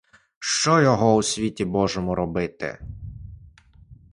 Що його у світі божому робити?